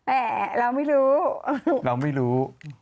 แต่เราไม่รู้เราไม่รู้